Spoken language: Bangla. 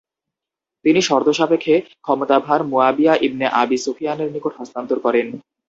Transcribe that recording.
তিনি শর্তসাপেক্ষে ক্ষমতাভার মুয়াবিয়া ইবনে আবী সুফিয়ানের নিকট হস্তান্তর করেন।